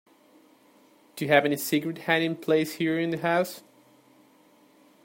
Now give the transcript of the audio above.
Do you have any secret hiding place here in the house?